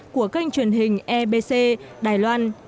của kênh truyền hình ebc đài loan